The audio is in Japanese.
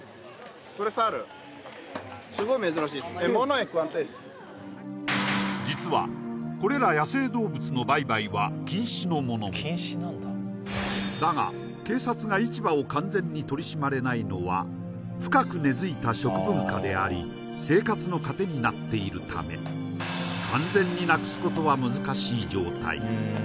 これサル実はこれら野生動物の売買は禁止のものもだが警察が市場を完全に取り締まれないのは深く根付いた食文化であり生活の糧になっているため完全になくすことは難しい状態